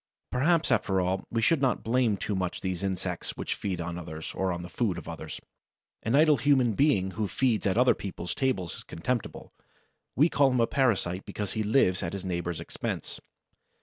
Perhaps, after all, we should not blame too much these insects which feed on others, or on the food of others. An idle human being who feeds at other people's tables is contemptible; we call him a parasite because he lives at his neighbor's expense.